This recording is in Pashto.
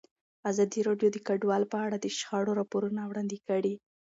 ازادي راډیو د کډوال په اړه د شخړو راپورونه وړاندې کړي.